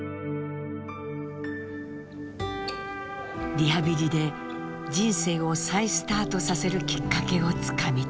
リハビリで人生を再スタートさせるきっかけをつかみたい。